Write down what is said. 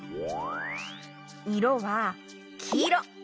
いろはきいろ。